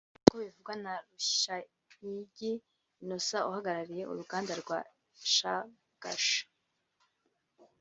nk’uko bivugwa na Rushayigi Innocent uhagarariye uruganda rwa Shagasha